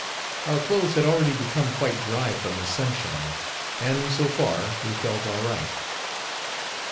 Our clothes had already become quite dry from the sunshine; and, so far, we felt all right.